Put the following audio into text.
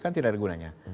kan tidak ada gunanya